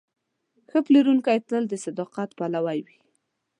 ښه پلورونکی تل د صداقت پلوی وي.